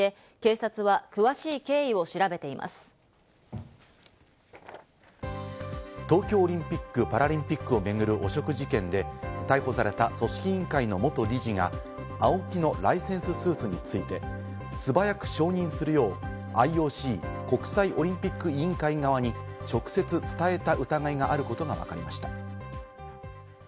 調べに対し内田容疑者は容疑を否認していて、東京オリンピック・パラリンピックを巡る汚職事件で、逮捕された組織委員会の元理事がＡＯＫＩのライセンススーツについて、素早く承認するようＩＯＣ＝国際オリンピック委員会側に直接伝えた疑いがあることがわかりました。